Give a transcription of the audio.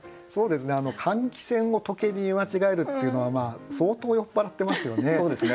換気扇を時計に見間違えるっていうのは相当酔っ払ってますよね。